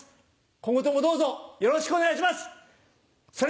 今後ともどうぞよろしくお願いします！